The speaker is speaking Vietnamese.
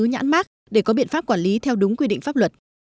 nhãn mát để có biện pháp quản lý theo đúng quy định pháp luật